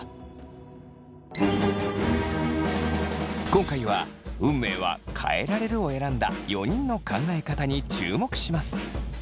今回は運命は変えられるを選んだ４人の考え方に注目します。